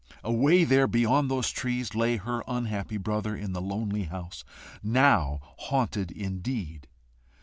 Away there beyond those trees lay her unhappy brother, in the lonely house, now haunted indeed.